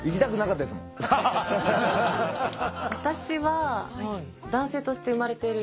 私は男性として生まれてるんですね